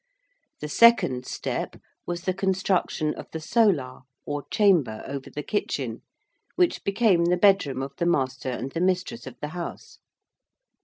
The second step was the construction of the 'Solar,' or chamber over the kitchen, which became the bedroom of the master and the mistress of the house.